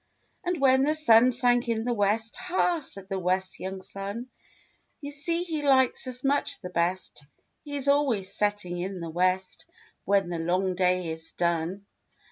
And when the sun sank in the West, "Ha!" said the Wests' young son, "You see he likes us much the best, • He's always setting in the West When the long day is done."